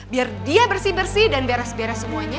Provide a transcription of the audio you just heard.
biar dia bersih bersih dan beres beres semuanya